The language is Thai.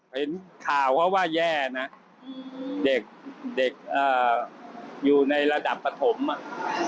เห็นข่าวว่าแย่น่ะอืมเด็กเด็กอ่าอยู่ในระดับประถมอ่ะ